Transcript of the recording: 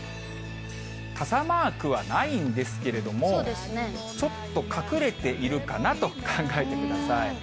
傘マークはないんですけれども、ちょっと隠れているかなと考えてください。